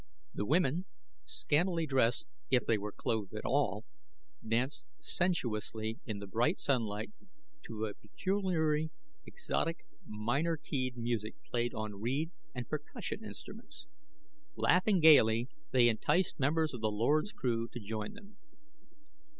The women, scantily dressed if they were clothed at all, danced sensuously in the bright sunlight to a peculiarly exotic, minor keyed music played on reed and percussion instruments. Laughing gaily, they enticed members of Lord's crew to join them.